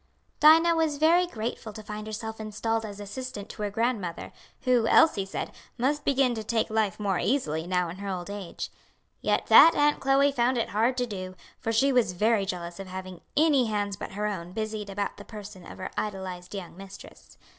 Dinah was very grateful to find herself installed as assistant to her grandmother, who, Elsie said, must begin to take life more easily now in her old age. Yet that Aunt Chloe found it hard to do, for she was very jealous of having any hands but her own busied about the person of her idolized young mistress.